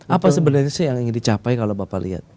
apa sebenarnya sih yang ingin dicapai kalau bapak lihat